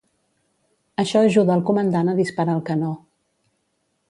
Això ajuda al comandant a disparar el canó.